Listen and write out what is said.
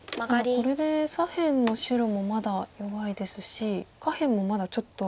これで左辺の白もまだ弱いですし下辺もまだちょっと薄みありますよね。